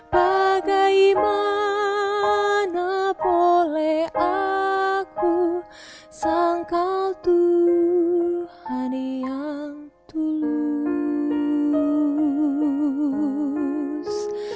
bagaimana boleh aku sangkal tuhan yang tulus